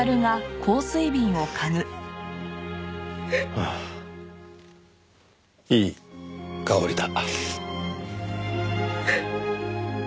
ああいい香りだ。